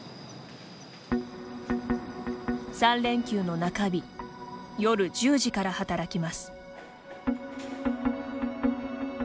３連休の中日夜１０時から働きます。